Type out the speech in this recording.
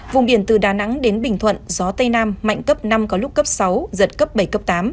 vùng biển từ đà nẵng đến bình thuận gió tây nam mạnh cấp năm có lúc cấp sáu giật cấp bảy cấp tám